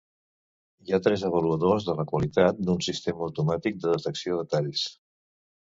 Hi ha tres avaluadors de la qualitat d'un sistema automàtic de detecció de talls.